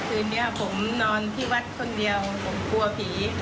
คืนนี้ผมนอนที่วัดคนเดียวผมกลัวผี